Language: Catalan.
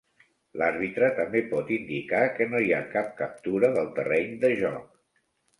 L"àrbitre també pot indicar que no hi ha cap captura del terreny de joc.